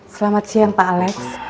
selamat siang pak alex